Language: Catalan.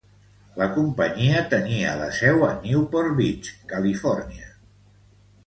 La companyia tenia la seu a Newport Beach, Califòrnia.